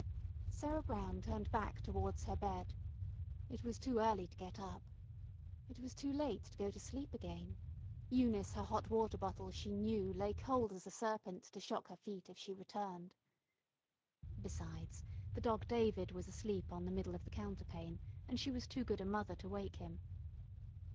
Sarah Brown turned back towards her bed. It was too early to get up. It was too late to go to sleep again. Eunice, her hot water bottle, she knew, lay cold as a serpent to shock her feet if she returned. Besides, the Dog David was asleep on the middle of the counterpane, and she was too good a mother to wake him.